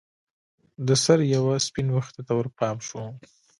د سر یوه سپین ویښته ته ورپام شو